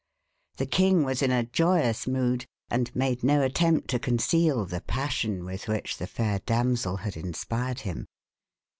The king was in a joyous mood, and made no attempt to conceal the passion with which the fair damsel had inspired him.